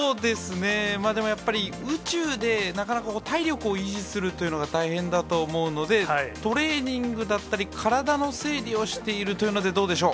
でもやっぱり、宇宙でなかなか体力を維持するというのが大変だと思うので、トレーニングだったり、体の整理をしているというのでどうでしょう？